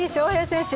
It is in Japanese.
選手